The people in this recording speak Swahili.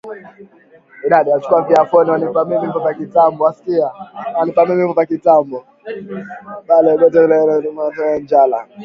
Bale bote beko na rima aba teswake na njala